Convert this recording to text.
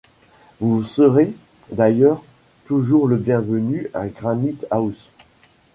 Vous serez, d’ailleurs, toujours le bienvenu à Granite-house.